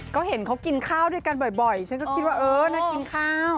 ก็เห็นเขากินข้าวด้วยกันบ่อยฉันก็คิดว่าเออน่ากินข้าว